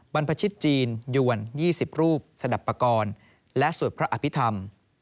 บรรพชิตจีนยวรรณ์๒๐รูปสดับประกอลและสวดพระอภิธรรม